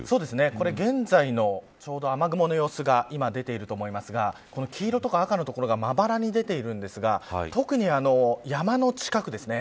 これ現在の雨雲の様子が出ていると思いますが黄色とか赤の所がまばらに出ているんですが特に、山の近くですね。